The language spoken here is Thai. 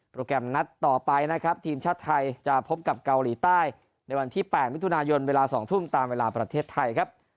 แกรมนัดต่อไปนะครับทีมชาติไทยจะพบกับเกาหลีใต้ในวันที่๘มิถุนายนเวลา๒ทุ่มตามเวลาประเทศไทยครับ